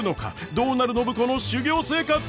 どうなる暢子の修業生活！？